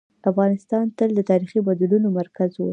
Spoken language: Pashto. افغانستان تل د تاریخي بدلونونو مرکز و.